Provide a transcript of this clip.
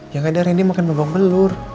ya gak ada randy makin bebak belur